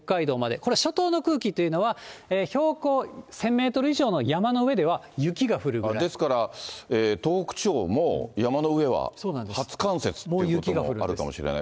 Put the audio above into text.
これ、初冬の空気というのは、標高１０００メートル以上の山の上ですから、東北地方も、山の上は初冠雪ということもあるかもしれない。